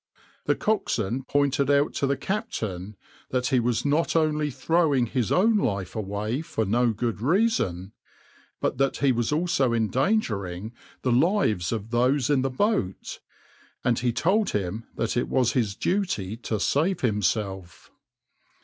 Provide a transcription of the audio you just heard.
The coxswain pointed out to the captain that he was not only throwing his own life away for no good reason, but that he was also endangering the lives of those in the boat, and he told him that it was his duty to save himself.